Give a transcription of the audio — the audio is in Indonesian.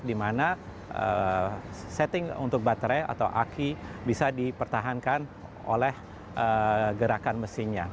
di mana setting untuk baterai atau aki bisa dipertahankan oleh gerakan mesinnya